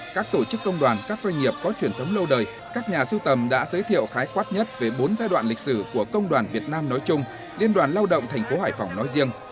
các tổ chức công đoàn các doanh nghiệp có truyền thống lâu đời các nhà sưu tầm đã giới thiệu khái quát nhất về bốn giai đoạn lịch sử của công đoàn việt nam nói chung liên đoàn lao động thành phố hải phòng nói riêng